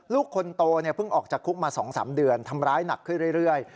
ลูกคนโตเพิ่งออกจากคุกมา๒๓เดือนทำร้ายหนักขึ้นเรื่อย